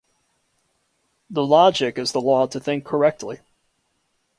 The logic is the law to think correctly.